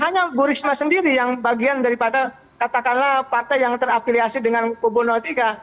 karena bu risma sendiri yang bagian daripada katakanlah partai yang terafiliasi dengan pobono iii